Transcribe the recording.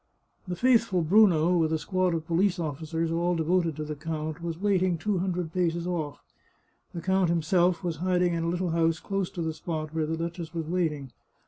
The faithful Bruno, with a squad of police officers, all de voted to the count, was waiting two hundred paces off. The count himself was hiding in a little house close to the spot where the duchess was waiting.